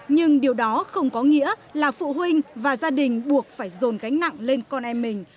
nhưng điều đó không có nghĩa là phụ huynh và gia đình buộc phải dồn gánh nặng lên con em mình